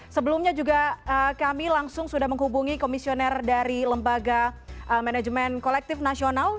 sebelumnya juga kami langsung sudah menghubungi komisioner dari lembaga manajemen kolektif nasional